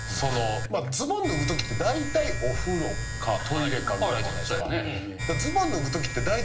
ズボン脱ぐときってだいたいお風呂かトイレかぐらいじゃないっすか。